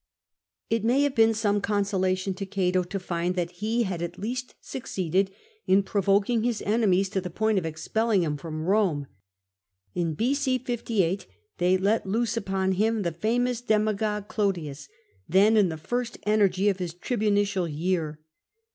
It may have been some consolation to Cato to find that he had at least succeeded in provoking his enemies to the point of expelling him from Rome. In B.c. 58 they let loose upon him the famous demagogue Clodius, then in the first energy of his tribunicial year.